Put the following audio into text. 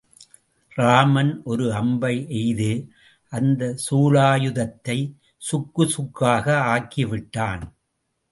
ராமன் ஒரு அம்பை எய்து அந்தச் சூலாயுதத்தைச் சுக்குச் சுக்காக ஆக்கிவிட்டான்.